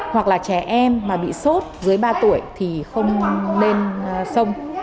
hoặc là trẻ em mà bị sốt dưới ba tuổi thì không nên sông